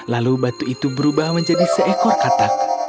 lalu batu itu berubah menjadi seekor katak